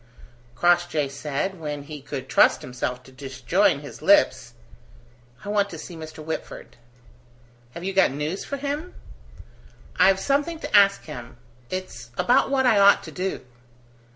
Crossjay said, when he could trust himself to disjoin his lips: "I want to see Mr. Whitford." "Have you got news for him?" "I've something to ask him. It's about what I ought to do."